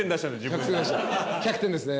１００点ですね」